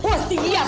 oh siap dong